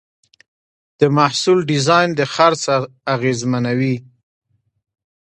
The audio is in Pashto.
د محصول ډیزاین د خرڅ اغېزمنوي.